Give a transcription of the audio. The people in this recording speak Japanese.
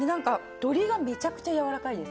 鶏がめちゃくちゃ軟らかいです。